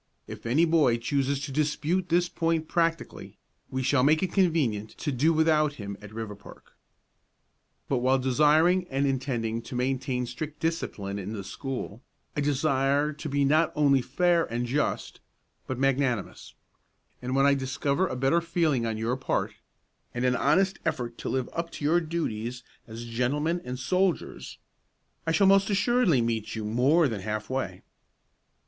If any boy chooses to dispute this point practically, we shall make it convenient to do without him at Riverpark. "But while desiring and intending to maintain strict discipline in the school, I desire to be not only fair and just, but magnanimous; and when I discover a better feeling on your part, and an honest effort to live up to your duties as gentlemen and soldiers, I shall most assuredly meet you more than half way.